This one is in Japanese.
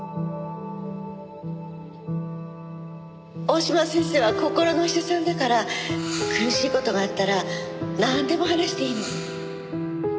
大嶋先生は心のお医者さんだから苦しい事があったらなんでも話していいの。